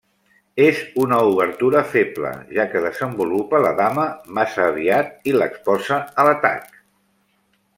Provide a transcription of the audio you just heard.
És una obertura feble, ja que desenvolupa la dama massa aviat i l'exposa a l'atac.